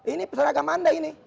ini seragam anda ini